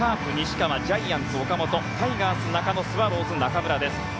ジャイアンツ、岡本タイガース、中野スワローズ、中村です。